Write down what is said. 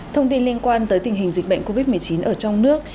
thông tin liên quan tới tình hình dịch bệnh covid một mươi chín ở trong nước